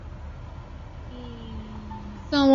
翁赞人口变化图示